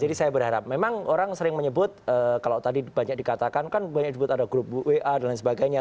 jadi saya berharap memang orang sering menyebut kalau tadi banyak dikatakan kan banyak dibut ada grup wa dan lain sebagainya